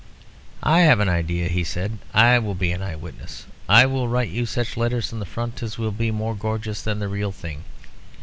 "I have an idea," he said. "I will be an eye witness. I will write you such letters from the Front as will be more gorgeous than the real thing.